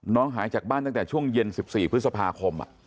หายจากบ้านตั้งแต่ช่วงเย็น๑๔พฤษภาคม